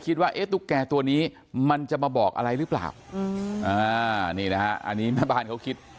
คิดวะตุ๊กแกะตัวนี้มันจะมาบอกอะไรหรือเปล่าม้าบานเขาคิด